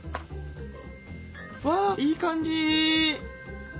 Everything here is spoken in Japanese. わあいい感じ！